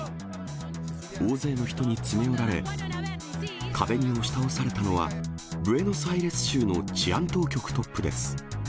大勢の人に詰め寄られ、壁に押し倒されたのは、ブエノスアイレス州の治安当局トップです。